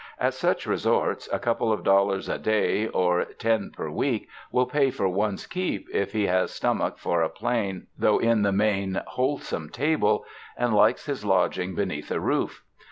At such resorts, a couple of dollars a day 166 THE FRANCISCAN MISSIONS or ten per week will pay for one's keep if he has stomach for a plain, though in the main wholesome table, and likes his lodging beneath a roof.